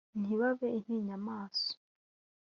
ntibabe intinyamaso